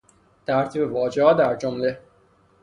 ترتیب واژهها در جمله